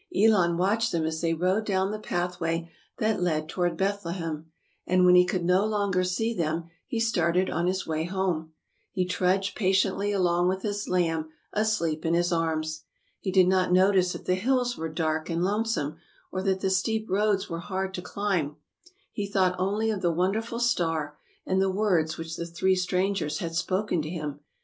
Elon watched them as they rode down the A STORY OP THE FIRST CHRISTMAS. 143 pathway that led toward Bethlehem, and when he could no longer see them he started on his way home. He trudged patiently along with his lamb asleep in his arms. He did not notice that the hills were dark and lonesome, or that the steep roads were hard to climb; he thought only of the wonderful star and the words which the three strangers had spoken to him.